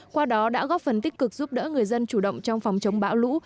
qua đó đã góp phần tích cực giúp đỡ người dân chủ động trong phòng chống bão lũ